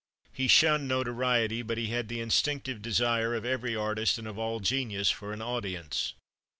He shunned notoriety, but he had the instinctive desire of every artist and of all genius for an audience.